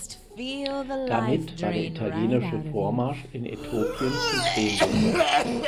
Damit war der italienische Vormarsch in Äthiopien zum Stehen gekommen.